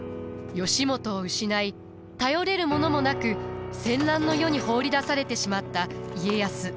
義元を失い頼れるものもなく戦乱の世に放り出されてしまった家康。